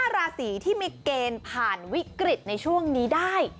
ราศีที่มีเกณฑ์ผ่านวิกฤตในช่วงนี้ได้